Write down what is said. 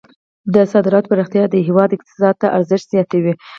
د صادراتو پراختیا د هیواد اقتصاد ته ارزښت زیاتوي.